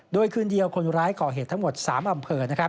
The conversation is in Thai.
โดยคืนเดียวคนร้ายก่อเหตุทั้งหมด๓อำเภอ